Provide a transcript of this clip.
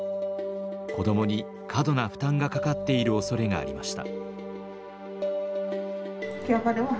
子どもに過度な負担がかかっているおそれがありました。